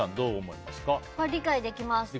理解できます。